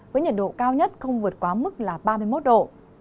với nhiệt độ cao nhất không vượt quá mức là ba mươi một độ